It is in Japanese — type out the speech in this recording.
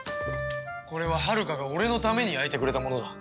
これははるかが俺のために焼いてくれたものだ。